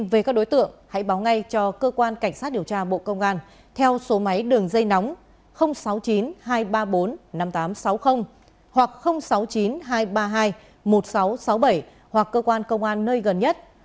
về các đối tượng hãy báo ngay cho cơ quan cảnh sát điều tra bộ công an theo số máy đường dây nóng sáu mươi chín hai trăm ba mươi bốn năm nghìn tám trăm sáu mươi hoặc sáu mươi chín hai trăm ba mươi hai một nghìn sáu trăm sáu mươi bảy hoặc cơ quan công an nơi gần nhất